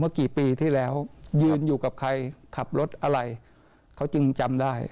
กี่ปีที่แล้วยืนอยู่กับใครขับรถอะไรเขาจึงจำได้